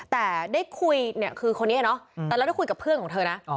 แต่ได้คุยเนี่ยคือคนนี้เนอะแต่เราได้คุยกับเพื่อนของเธอนะ